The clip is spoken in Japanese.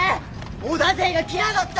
織田勢が来やがった！